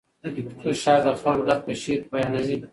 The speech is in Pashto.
ښه شاعر د خلکو درد په شعر کې بیانوي.